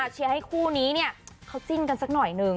เชียร์ให้คู่นี้เนี่ยเขาจิ้นกันสักหน่อยหนึ่ง